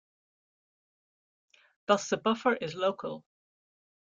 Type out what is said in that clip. Thus the buffer is local.